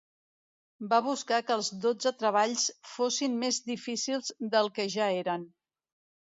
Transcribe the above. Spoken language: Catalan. Va buscar que els dotze treballs fossin més difícils del que ja eren.